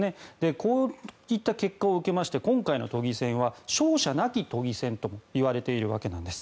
こういった結果を受けて今回の都議選は勝者なき都議選とも言われているわけなんです。